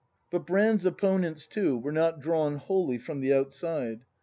But Brand's opponents, too, were not drawn wholly from the outside.